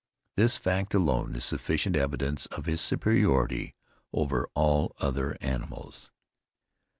This fact alone is sufficient evidence of his superiority over all other animals.